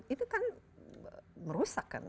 itu kan merusak kan